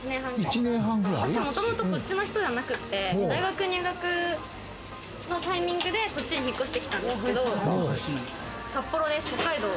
もともとこっちの人じゃなくて大学入学のタイミングでこっちに引っ越してきたんですけど、札幌です。